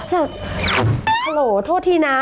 แล้วโทษทีนะ